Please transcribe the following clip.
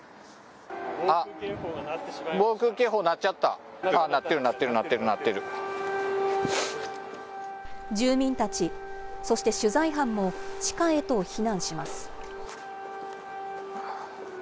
防空警報鳴っちゃった、あっ、鳴ってる、鳴ってる、鳴ってる、住民たち、そして取材班も地下へと避難します。